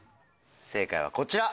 正解はこちら！